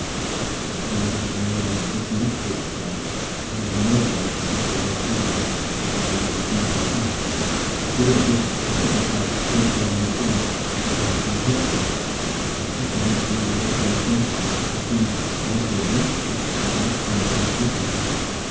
Then Major Grantly became aware that this must be the squire, and he was annoyed with himself for his own awkwardness in having thus come upon the house. He would have wished to keep himself altogether unseen if it had been possible, and especially unseen by this old gentleman, to whom, now that he had met him, he was almost bound to introduce himself.